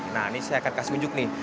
nah ini saya akan kasih unjuk nih